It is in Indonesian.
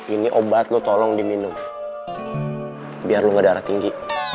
ini obat lo tolong diminum biar lu gak darah tinggi